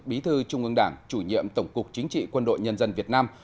bí thư trung ương đảng chủ nhiệm tổng cục chính trị quân đội nhân dân việt nam